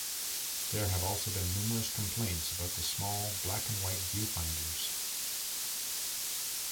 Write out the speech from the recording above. There have also been numerous complaints about the small black and white viewfinders.